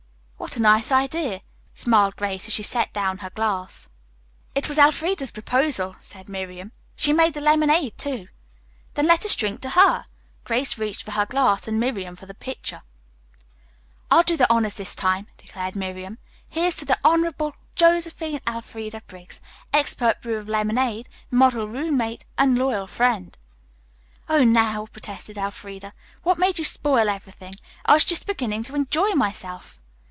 "What a nice idea," smiled Grace as she set down her glass. "It was Elfreda's proposal," said Miriam. "She made the lemonade, too." "Then let us drink to her." Grace reached for her glass and Miriam for the pitcher. "I'll do the honors this time," declared Miriam. "Here's to the Honorable Josephine Elfreda Briggs, expert brewer of lemonade, model roommate and loyal friend." "Oh, now," protested Elfreda, "what made you spoil everything? I was just beginning to enjoy myself."